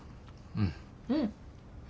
うん。